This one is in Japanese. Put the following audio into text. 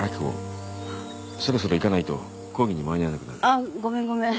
ああごめんごめん。